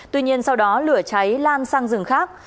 tuy nhiên sau đó lửa cháy lan sang rừng khác